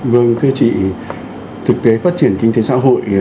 vâng thưa chị thực tế phát triển kinh tế xã hội